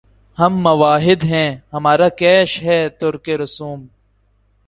ہم موّحد ہیں‘ ہمارا کیش ہے ترکِ رسوم